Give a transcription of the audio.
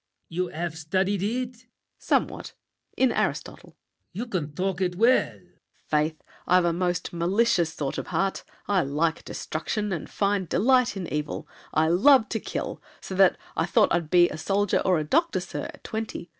LAFFEMAS. You have studied it? SAVERNY. Somewhat. In Aristotle. LAFFEMAS. You can talk it well! SAVERNY. Faith! I've a most malicious sort of heart. I like destruction; find delight in evil; I love to kill! So that I thought I'd be A soldier or a doctor, sir, at twenty.